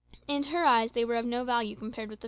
In her eyes they were of no value compared with the fruit.